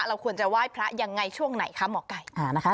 เราควรจะไหว้พระอย่างไรช่วงไหนคะหมอไก่